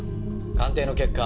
鑑定の結果。